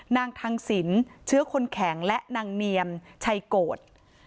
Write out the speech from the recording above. นางทังสินเชื้อคนแข็งและนางเนียมชัยโกรธ